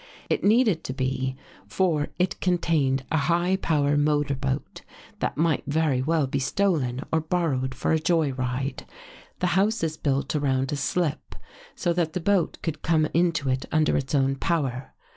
It needed to be, for it con tained a high power motor boat, that might very well be stolen or borrowed for a joy ride. The house is built around a slip, so that the boat could come into it under its own power.